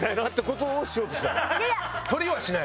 取りはしない？